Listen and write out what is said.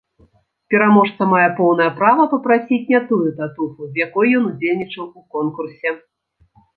Пераможца мае поўнае права папрасіць не тую татуху, з якой ён удзельнічаў у конкурсе.